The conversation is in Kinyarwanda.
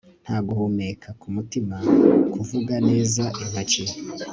Nta guhumeka kumutima kuvuga neza intoki